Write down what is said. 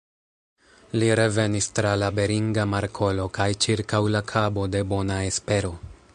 Li revenis tra la Beringa Markolo kaj ĉirkaŭ la Kabo de Bona Espero.